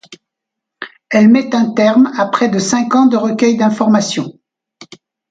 Elle met un terme à près de cinq ans de recueil d'informations.